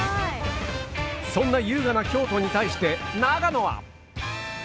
そんな優雅な京都に対して長野は。